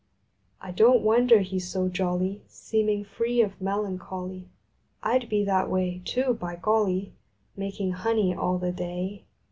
I don t wonder he s so jolly, Seeming free of melancholy. I d be that way, too, by golly! Making honey all the day.